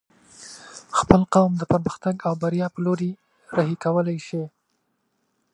خپل قوم د پرمختګ او بريا په لوري رهي کولی شې